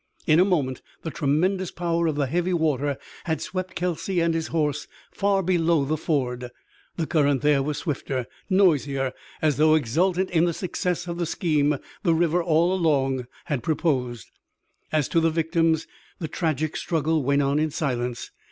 In a moment the tremendous power of the heavy water had swept Kelsey and his horse far below the ford. The current there was swifter, noisier, as though exultant in the success of the scheme the river all along had proposed. As to the victims, the tragic struggle went on in silence.